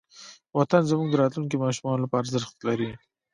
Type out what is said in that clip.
وطن زموږ د راتلونکې ماشومانو لپاره ارزښت لري.